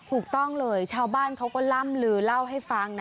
ถูกต้องเลยชาวบ้านเขาก็ล่ำลือเล่าให้ฟังนะ